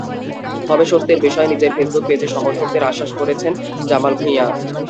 তবে স্বস্তির বিষয়, নিজের ফেসবুক পেজে সমর্থকদের আশ্বস্ত করেছেন জামাল ভূঁইয়া।